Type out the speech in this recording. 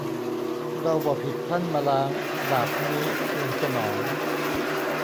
เราบ่ผิดท่านมล้าง ดาบนี้ คืนสนอง